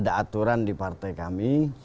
kita punya aturan di partai kami